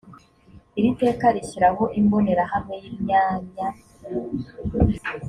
iri teka rishyiraho imbonerahamwe y’imyanya